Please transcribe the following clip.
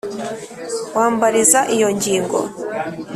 wambariza iyo ngingo.